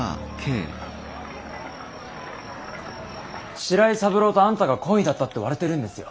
白井三郎とあんたが懇意だったって割れてるんですよ。